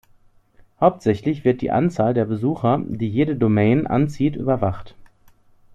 Hauptsächlich wird die Anzahl der Besucher, die jede Domain anzieht, überwacht.